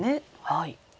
はい。